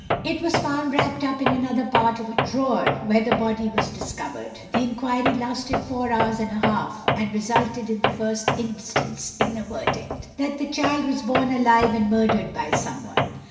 It was found wrapped up in another part of a drawer where the body was discovered. The inquiry lasted four hours and a half, and resulted, in the first instance, in a verdict, "That the child was born alive and murdered by someone."